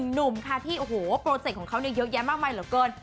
หนุ่มค่ะที่โหโครเจกต์ของเขาเนี้ยเยอะแยะมากมายเหรอเปล่าเกิน